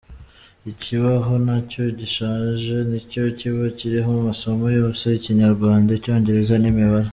Ikibaho nacyo gishaje, nicyo kiba kiriho amasomo yose ikinyarwanda ,icyongereza n’imibare.